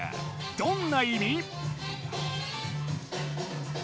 どんな意味？